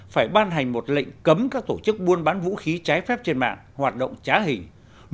phải ban hành một lệnh cấm các tổ chức buôn bán vũ khí trái phép trên mạng hoạt động trá hình